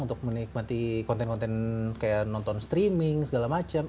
untuk menikmati konten konten kayak nonton streaming segala macam